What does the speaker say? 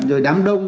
rồi đám đông